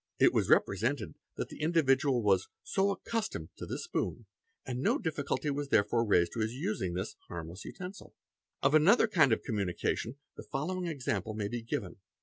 It was represented that the individual was '"'so accustomed'"' to this spoon; and no difficulty was therefore raised to his using this "harmless" utensil. | Of another kind of communication the following example may be given.